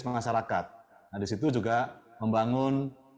masyarakat nah disitu juga membangun